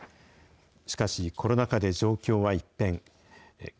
しかし、コロナ禍で状況は一変。